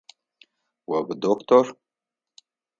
О удоктор?